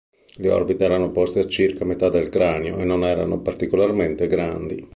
Le orbite erano poste a circa metà del cranio e non erano particolarmente grandi.